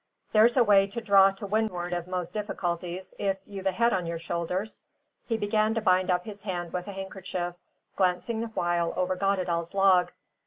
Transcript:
"There's a way to draw to windward of most difficulties, if you've a head on your shoulders." He began to bind up his hand with a handkerchief, glancing the while over Goddedaal's log.